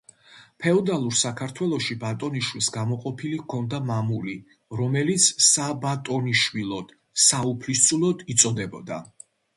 ფეოდალურ საქართველოში ბატონიშვილს გამოყოფილი ჰქონდა მამული, რომელიც საბატონიშვილოდ, საუფლისწულოდ იწოდებოდა.